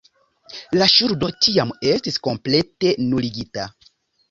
La ŝuldo tiam estis komplete nuligita.